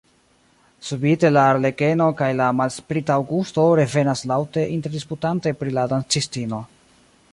Subite la arlekeno kaj la malsprita Aŭgusto revenas laŭte interdisputante pri la dancistino.